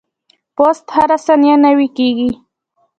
پوست هره ثانیه نوي کیږي.